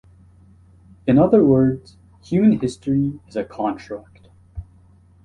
In other words, human history is a construct.